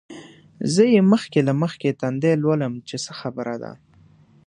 زه یې مخکې له مخکې تندی لولم چې څه خبره ده.